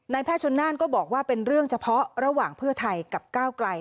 แพทย์ชนน่านก็บอกว่าเป็นเรื่องเฉพาะระหว่างเพื่อไทยกับก้าวไกล